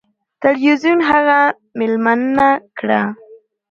تلویزیون هغه میلمنه کړه.